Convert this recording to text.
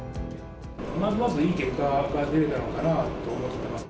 まずまずいい結果が出たかなと思っております。